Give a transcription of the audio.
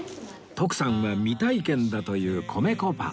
徳さんは未体験だという米粉パン